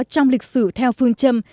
trong lịch sử theo phương châm